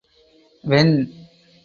Ven.